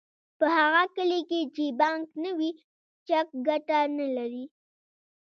په هغه کلي کې چې بانک نه وي چک ګټه نلري